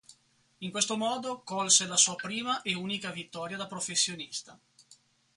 In questo modo colse la sua prima e unica vittoria da professionista.